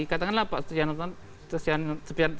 katakanlah pak setia novanto